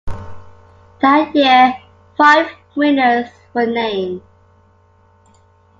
That year, five winners were named.